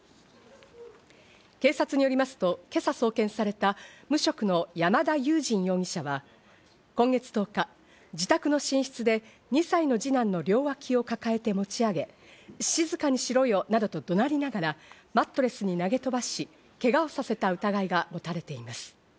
警察によりますと、今朝送検された無職の山田裕仁容疑者は、今月１０日、自宅の寝室で２歳の二男の両脇を抱えて持ち上げ、静かにしろよなどと怒鳴りながらマットレスに投げ飛ばし、けがをさせた疑いが持たれています。